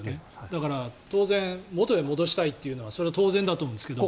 だから、当然元へ戻したいというのは当然だと思うんですけど。